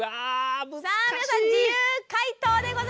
さあ皆さん自由解答でございます。